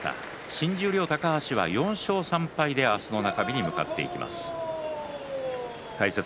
新十両高橋は４勝３敗で明日の中日に向かっていきます。